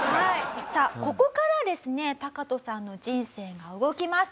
さあここからですねタカトさんの人生が動きます。